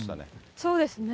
そうですね。